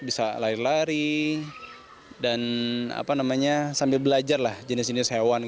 bisa lari lari dan sambil belajar lah jenis jenis hewan